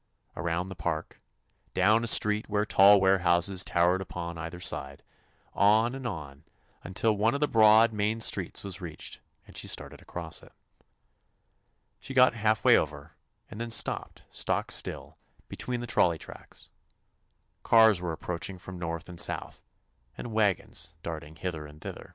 Around the park, down a street where tall warehouses tow ered upon either side, on and on until one of the broad, main streets was reached and she started across it. She got half way over and then stopped stock still between the trol ley tracks. Cars were approaching from north and south, and wagons darting hither and thither.